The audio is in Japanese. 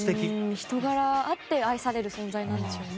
人柄あって愛される存在なんでしょうね。